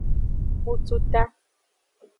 Kututa.